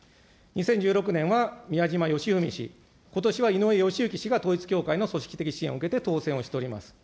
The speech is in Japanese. ２０１６年はみやじまよしふみ氏、ことしは井上義行氏が統一教会の組織的支援を受けて当選をしております。